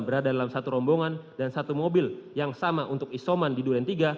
berada dalam satu rombongan dan satu mobil yang sama untuk isoman di duren tiga